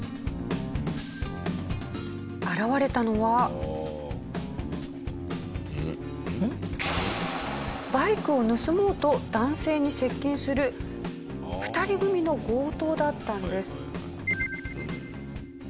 右側からやって来るバイクを盗もうと男性に接近する２人組の強盗だったんです。